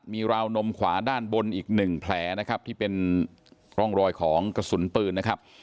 มีราวนมขวาด้านบนอีกหนึ่งแผลนะครับที่เป็นร่องรอยของกระสุนปืนนะครับ